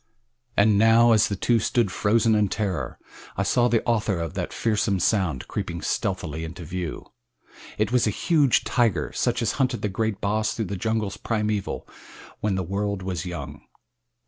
And now, as the two stood frozen in terror, I saw the author of that fearsome sound creeping stealthily into view. It was a huge tiger such as hunted the great Bos through the jungles primeval when the world was young.